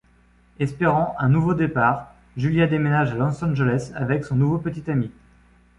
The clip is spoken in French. Espérant un nouveau départ, Julia déménage à Los Angeles avec son nouveau petit ami.